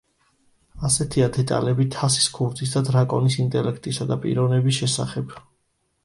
ასეთია დეტალები თასის ქურდის და დრაკონის ინტელექტისა და პიროვნების შესახებ.